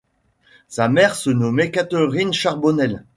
Sa mère se nommait Catherine Charbonnel.